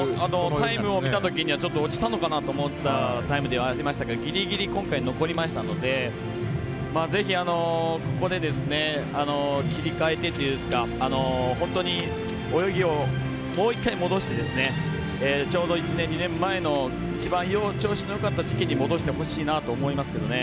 タイムを見たときにはちょっと落ちたのかなと思ったタイムではありましたけどぎりぎり今回、残りましたのでぜひ、ここで切り替えて本当に泳ぎをもう一回戻してちょうど１年、２年前の一番、調子のよかった時期に戻してほしいなと思いますけどね。